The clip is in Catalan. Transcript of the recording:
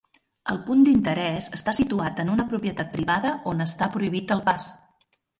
El punt d'interès està situat en una propietat privada on està prohibit el pas.